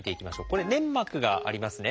これ粘膜がありますね。